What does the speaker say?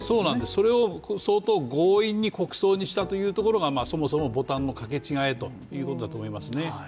それを相当強引に国葬にしたところがそもそもボタンの掛け違えだと思いますね。